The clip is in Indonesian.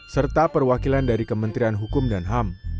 serta perwakilan dari kementerian hukum dan ham